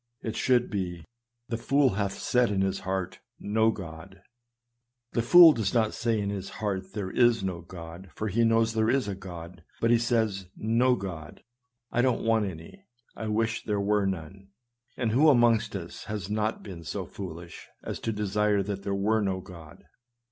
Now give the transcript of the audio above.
It should be, " The fool hath said in his heart, no GodP The fool does not say in his heart there is no God, for he knows there is a God ; but he says, "No God — I don't want any ; I wish there were none." And who amongst us has not been so foolish as to desire that there were no God?